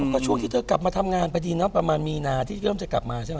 ก็ช่วงที่เธอกลับมาทำงานพอดีนะประมาณมีนาที่เริ่มจะกลับมาใช่ไหม